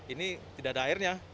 ini tidak ada airnya